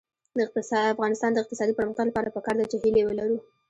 د افغانستان د اقتصادي پرمختګ لپاره پکار ده چې هیلې ولرو.